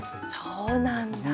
そうなんだ。